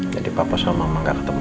jadi papa sama mama gak ketemu